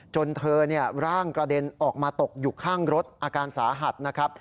จนเธอร่างกระเด็นออกมาตกอยู่ข้างรถอาการสาหัสนะครับ